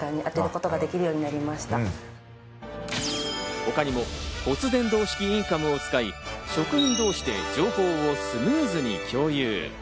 他にも骨伝導式インカムを使い、職員同士で情報をスムーズに共有。